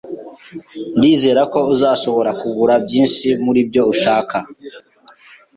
Ndizera ko uzashobora kugura byinshi muribyo ushaka.